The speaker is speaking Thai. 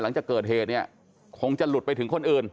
หลังจากเกิดเหตุเนี่ยคงจะหลุดไปถึงคนอื่น